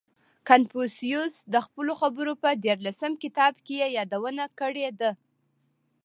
• کنفوسیوس د خپلو خبرو په دیارلسم کتاب کې یې یادونه کړې ده.